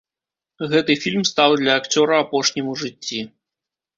Гэты фільм стаў для акцёра апошнім у жыцці.